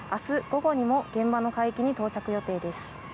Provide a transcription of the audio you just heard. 午後にも現場の海域に到着予定です。